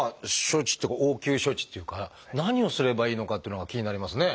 処置っていうか応急処置っていうか何をすればいいのかっていうのが気になりますね。